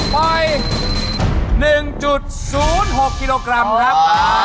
ไปหนึ่งจุดศูนย์หกกิโลกรัมครับ